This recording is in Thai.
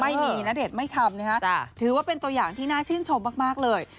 ณเดชน์ไม่ทำนะฮะถือว่าเป็นตัวอย่างที่น่าชื่นชมมากเลย